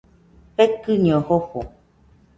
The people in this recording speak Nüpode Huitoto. Fekɨño jofo.